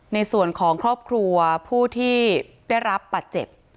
ในส่วนของครอบครัวผู้ที่ได้รับบาดเจ็บ